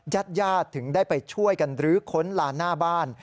ญาติญาติถึงได้ไปช่วยกันรื้อค้นลานหน้าบ้าน